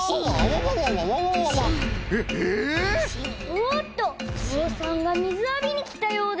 おおっとぞうさんがみずあびにきたようです！